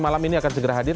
malam ini akan segera hadir